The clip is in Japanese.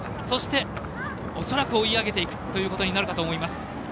そして、恐らく追い上げていくということになるかと思います。